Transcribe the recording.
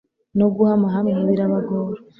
no guhama hamwe birabagora